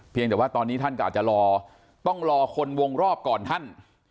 แต่ว่าตอนนี้ท่านก็อาจจะรอต้องรอคนวงรอบก่อนท่าน